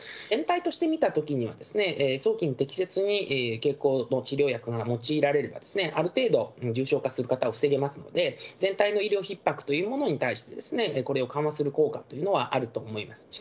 全体として見たときには、早期に適切に経口の治療薬が用いられれば、ある程度、重症化する方を防げますんで、全体の医療ひっ迫というものに対して、これを緩和する効果というのはあると思います。